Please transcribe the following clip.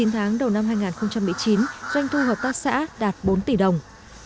chín tháng đầu năm hai nghìn một mươi chín doanh thu hợp tác xã đạt bốn tỷ đồng